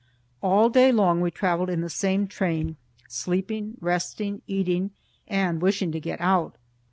All day long we travelled in the same train, sleeping, resting, eating, and wishing to get out.